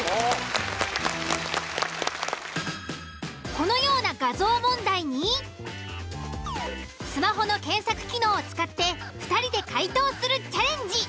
このような画像問題にスマホの検索機能を使って２人で解答するチャレンジ。